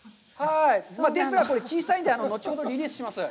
ですが、これ、小さいんで、後ほどリリースします。